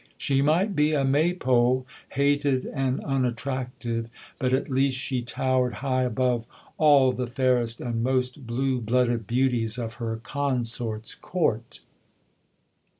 She might be a "maypole" hated and unattractive but at least she towered high above all the fairest and most blue blooded beauties of her "Consort's" Court.